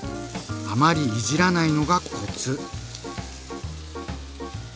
あまりいじらないのがコツ！